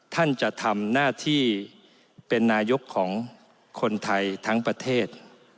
ท่านจะทำหน้าที่เป็นนายกของคนไทยทั้งประเทศ